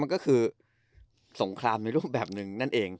มันก็คือสงครามในรูปแบบหนึ่งนั่นเอง